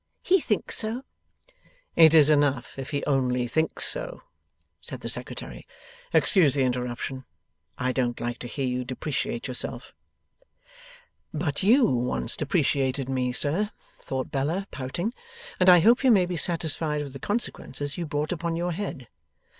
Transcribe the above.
He thinks so.' 'It is enough if he only thinks so,' said the Secretary. 'Excuse the interruption: I don't like to hear you depreciate yourself.' 'But YOU once depreciated ME, sir,' thought Bella, pouting, 'and I hope you may be satisfied with the consequences you brought upon your head!